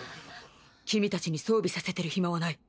君たちに装備させてるヒマはない。